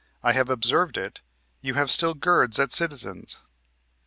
I have observed it, you have still girds at citizens."